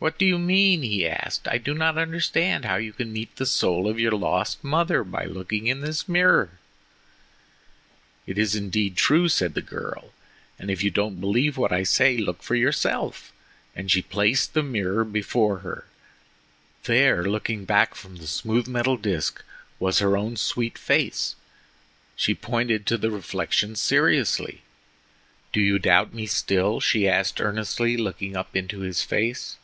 "What do you mean?" he asked. "I do not understand how you can meet the soul of your lost mother by looking in this mirror?" "It is indeed true," said the girl: "and if you don't believe what I say, look for yourself," and she placed the mirror before her. There, looking back from the smooth metal disk, was her own sweet face. She pointed to the reflection seriously: "Do you doubt me still?" she asked earnestly, looking up into his face.